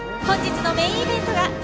本日のメーンイベントが。